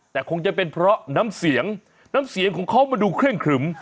แต่คงจะเป็นเพราะน้ำเสียงน้ำเสียงของเขามันดูเครื่องขลึม